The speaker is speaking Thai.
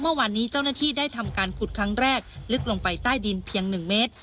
เมื่อวานนี้เจ้าหน้าที่ได้ทำการขุดครั้งแรกลึกลงไปใต้ดินเพียง๑เมตร